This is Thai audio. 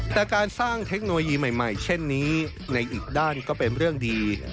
แต่การสร้างเทคโนโลยีใหม่เช่นนี้ในอีกด้านก็เป็นเรื่องดี